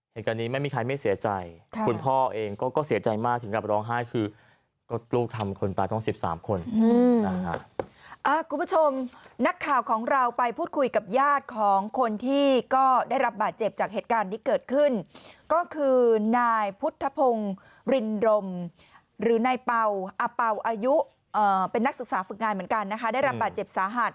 เหตุการณ์นี้ไม่มีใครไม่เสียใจคุณพ่อเองก็เสียใจมากถึงกับร้องไห้คือก็ลูกทำคนตายต้อง๑๓คนนะฮะคุณผู้ชมนักข่าวของเราไปพูดคุยกับญาติของคนที่ก็ได้รับบาดเจ็บจากเหตุการณ์ที่เกิดขึ้นก็คือนายพุทธพงศ์รินรมหรือนายเป่าอเป่าอายุเป็นนักศึกษาฝึกงานเหมือนกันนะคะได้รับบาดเจ็บสาหัส